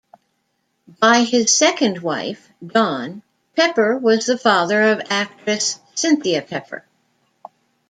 By his second wife, Dawn, Pepper was the father of actress Cynthia Pepper.